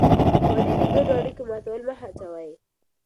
ولې د ګډو اړیکو ماتول مه هڅوې؟